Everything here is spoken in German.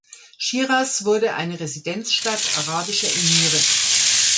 Schiras wurde eine Residenzstadt arabischer Emire.